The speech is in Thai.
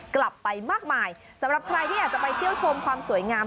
กลับไปมากมายสำหรับใครที่อยากจะไปเที่ยวชมความสวยงาม